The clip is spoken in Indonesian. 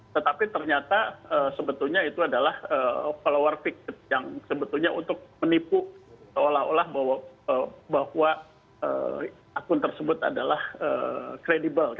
tetapi ternyata sebetulnya itu adalah follower fikted yang sebetulnya untuk menipu seolah olah bahwa akun tersebut adalah kredibel